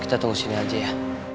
kita tunggu sini aja ya